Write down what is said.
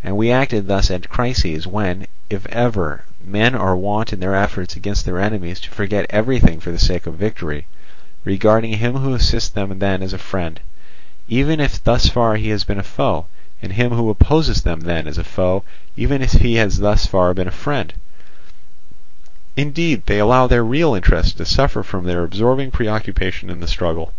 And we acted thus at crises when, if ever, men are wont in their efforts against their enemies to forget everything for the sake of victory, regarding him who assists them then as a friend, even if thus far he has been a foe, and him who opposes them then as a foe, even if he has thus far been a friend; indeed they allow their real interests to suffer from their absorbing preoccupation in the struggle.